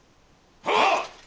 はっ！